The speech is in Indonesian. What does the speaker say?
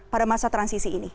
pada masa transisi ini